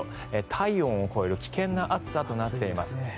体温を超える危険な暑さとなっています。